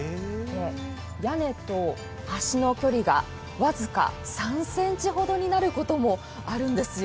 屋根と橋の距離が僅か３ｃｍほどになることもあるんですよ。